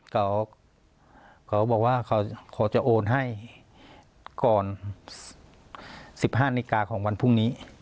เขาบอกว่าเขาจะโอนให้ก่อน๑๕นิกาของวันพรุ่งนี้